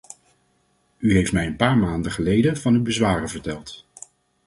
U heeft mij een paar maanden geleden van uw bezwaren verteld.